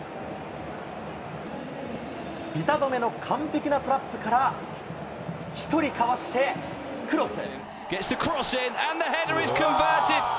ビタ止めの完璧なトラップから１人かわしてクロス。